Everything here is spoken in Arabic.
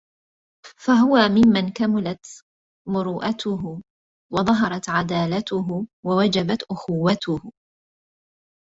فَهُوَ مِمَّنْ كَمُلَتْ مُرُوءَتُهُ وَظَهَرَتْ عَدَالَتُهُ وَوَجَبَتْ أُخُوَّتُهُ